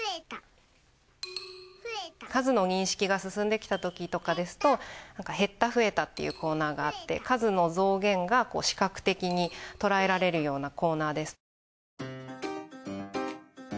数の認識が進んできたときとかですと「へったふえた」っていうコーナーがあって数の増減が視覚的に捉えられるようなコーナーです。